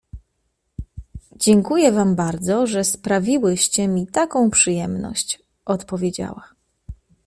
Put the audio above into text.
— Dziękuję wam bardzo, że sprawiłyście mi taką przyjemność! — odpowiedziała.